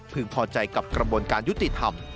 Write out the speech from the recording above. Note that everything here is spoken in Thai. พอใจกับกระบวนการยุติธรรม